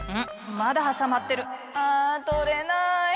まだはさまってるあ取れない！